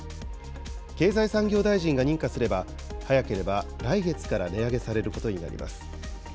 経済産業大臣が認可すれば、早ければ来月から値上げされることになります。